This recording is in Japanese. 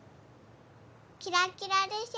キラキラでしょ？